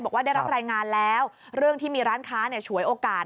บอกว่าได้รับรายงานแล้วเรื่องที่มีร้านค้าฉวยโอกาส